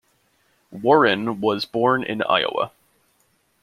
Warren was born in Iowa.